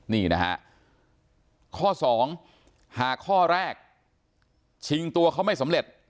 นี่นะฮะข้อสองหากข้อแรกชิงตัวเขาไม่สำเร็จ